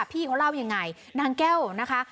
พี่เขาเล่ายังไงนางแก้วนะคะ